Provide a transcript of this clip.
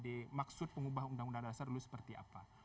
dpd maksud pengubah undang undang dasar dulu seperti apa